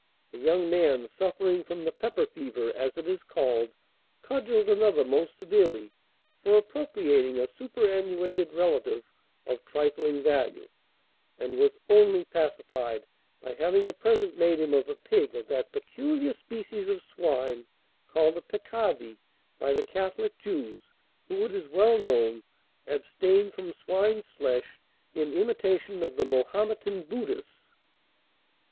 A young man suffering from the pepper fever, as it is called, cudgeled another most severely for appropriating a superannuated relative of trifling value, and was only pacified by having a present made him of a pig of that peculiar species of swine called the Peccavi by the Catholic Jews, who, it is well known, abstain from swine's flesh in imitation of the Mahometan Buddhists.